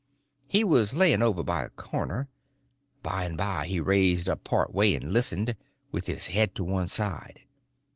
He was laying over by the corner. By and by he raised up part way and listened, with his head to one side.